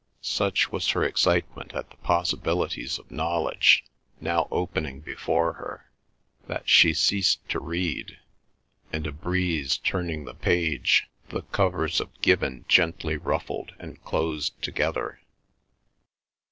Such was her excitement at the possibilities of knowledge now opening before her that she ceased to read, and a breeze turning the page, the covers of Gibbon gently ruffled and closed together.